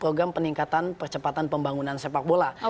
program peningkatan percepatan pembangunan sepak bola